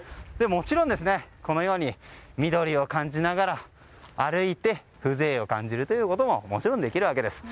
もちろん、このように緑を感じながら歩いて風情を感じることももちろんできるわけです。